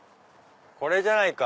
これじゃないか？